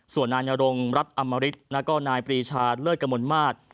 ส่วนนายนรงรัฐอำริษฐ์และนายปรีชาเลือดกระมวลมาตร